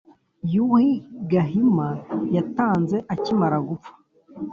yuhi gahima yatanze akimara gupfa